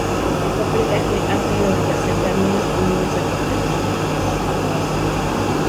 El papel de ángel lo representan niños y niñas de corta edad.